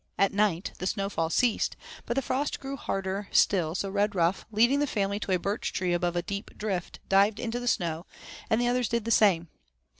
At night, the snow fall ceased, but the frost grew harder still, so Redruff, leading the family to a birch tree above a deep drift, dived into the snow, and the others did the same.